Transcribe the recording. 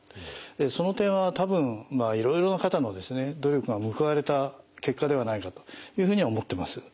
その点は多分いろいろな方の努力が報われた結果ではないかというふうに思ってます。